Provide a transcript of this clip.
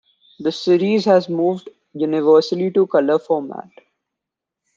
The series has moved universally to colour format.